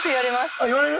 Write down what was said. あっ言われる？